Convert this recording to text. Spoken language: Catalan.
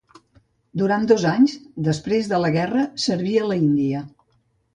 Durant dos anys després de la guerra serví a l'Índia.